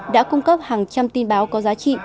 đã cung cấp hàng trăm tin báo có giá trị